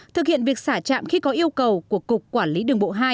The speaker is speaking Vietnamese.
thực hiện việc xả trạm khi có yêu cầu của cục quản lý đường bộ hai